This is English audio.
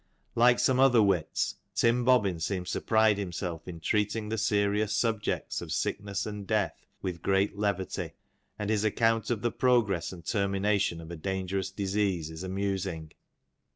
Like some other wits, Tim Bobbin seems to pride himself in treating the serious subjects of sickness and death with great levity ; and his account of the progress and termination of a dangerous disease is amusing.